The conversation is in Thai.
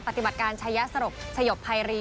ปฏิบัติการชายะสรบชะยบไพรี